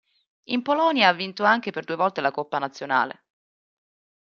In Polonia ha vinto anche per due volte la coppa nazionale.